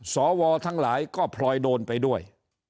สวทั้งหลายก็พลอยโดนไปด้วย